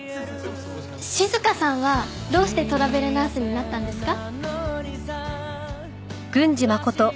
静さんはどうしてトラベルナースになったんですか？